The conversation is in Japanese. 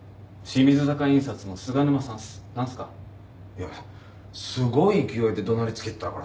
いやすごい勢いで怒鳴りつけてたからさ。